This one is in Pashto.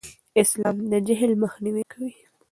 اسلام د جهل مخنیوی کوي.